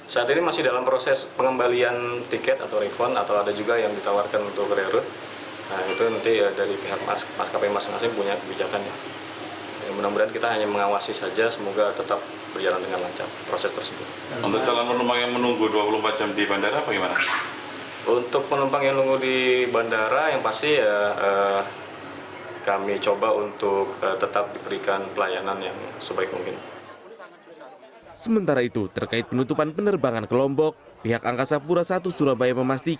saat ini masih dalam proses pengembalian tiket atau refund atau ada juga yang ditawarkan untuk rerun